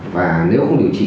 và nếu không điều trị